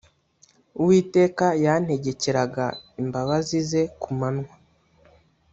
Uwiteka yantegekeraga imbabazi ze ku manywa